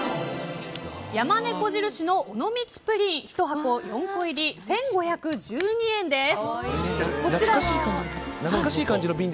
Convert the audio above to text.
やまねこ印の尾道プリン１箱４個入り１５１２円です。